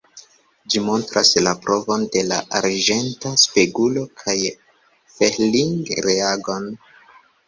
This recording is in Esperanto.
Ĝi montras la provon de la arĝenta spegulo kaj Fehling-reagon.